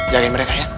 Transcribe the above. jagain mereka ya